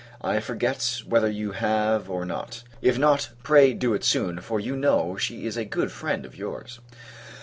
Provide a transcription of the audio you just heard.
I forget whether you have, or not: if not, pray do it soon; for, you know, she is a good friend of your's.